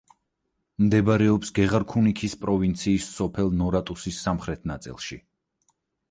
მდებარეობს გეღარქუნიქის პროვინციის სოფელ ნორატუსის სამხრეთ ნაწილში.